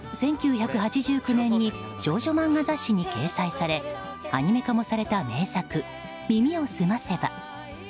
１９８９年に少女漫画雑誌に掲載されアニメ化もされた名作「耳をすませば」。